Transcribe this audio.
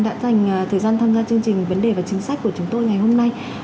đã dành thời gian tham gia chương trình vấn đề và chính sách của chúng tôi ngày hôm nay